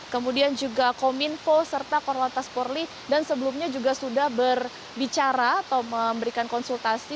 kemudian juga kominfo serta korlantas porli dan sebelumnya juga sudah berbicara atau memberikan konsultasi